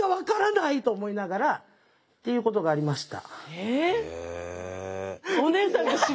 っていうことがありました。